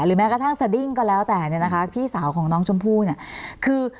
แม้กระทั่งสดิ้งก็แล้วแต่เนี่ยนะคะพี่สาวของน้องชมพู่เนี่ยคือ